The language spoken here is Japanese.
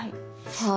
はい。